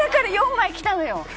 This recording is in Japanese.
４枚着たのよ。